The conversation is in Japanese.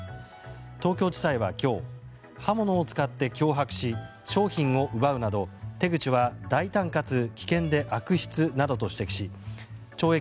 東京地裁は今日刃物を使って脅迫し商品を奪うなど手口は大胆かつ危険で悪質などと指摘し懲役